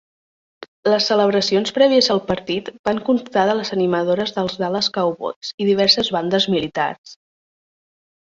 Les celebracions prèvies al partit van constar de les animadores dels Dallas Cowboys i diverses bandes militars.